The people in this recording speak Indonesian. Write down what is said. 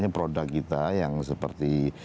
produk kita yang seperti